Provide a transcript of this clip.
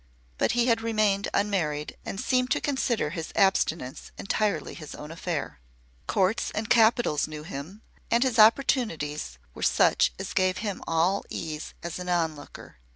But he had remained unmarried and seemed to consider his abstinence entirely his own affair. Courts and capitals knew him, and his opportunities were such as gave him all ease as an onlooker.